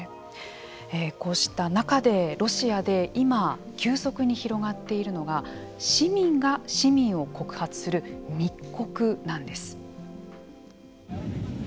こうした中でロシアで今急速に広がっているのが市民が市民を告発する密告なんです。